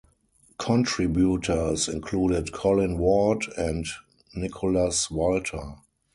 Contributors included Colin Ward and Nicolas Walter.